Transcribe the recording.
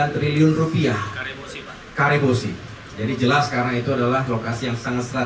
dua sembilan triliun rupiah kare posi jadi jelas karena itu adalah lokasi yang sangat sangat berharga